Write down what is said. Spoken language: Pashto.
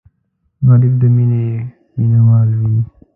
غریب د مینې مینهوال وي